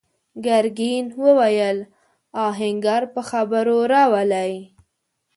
ګرګين وويل: آهنګر په خبرو راولئ!